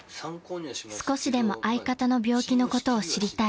［少しでも相方の病気のことを知りたい］